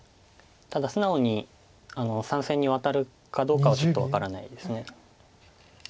ただ素直に３線にワタるかどうかはちょっと分からないです。